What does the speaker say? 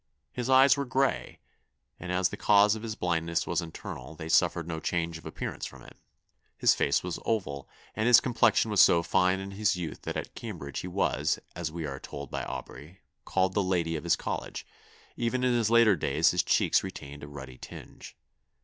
His eyes were gray, and, as the cause of his blindness was internal, they suffered no change of appearance from it. His face was oval, and his complexion was so fine in his youth that at Cambridge he was, as we are told by Aubrey, called the Lady of his College; even in his later days his cheeks retained a ruddy tinge.